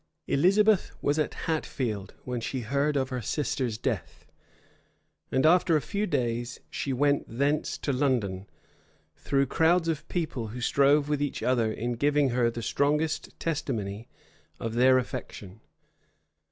[*] Elizabeth was at Hatfield when she heard of her sister's death; and after a few days she went thence to London, through crowds of people, who strove with each other in giving her the strongest testimony of their affection.